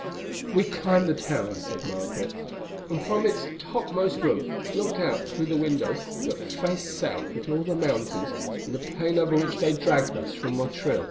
"We climbed the tower," said Margaret, "and from its topmost room looked out through the windows that face south at all the mountains and the plain over which they dragged us from Motril.